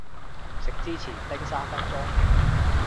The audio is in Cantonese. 食之前叮三分鐘